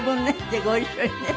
でご一緒にね。